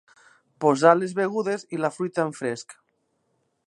Posar les begudes i la fruita en fresc.